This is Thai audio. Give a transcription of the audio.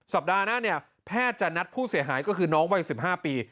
สัปดาห์หน้าเนี่ยแพทย์จะนัดผู้เสียหายก็คือน้องวัย๑๕ปี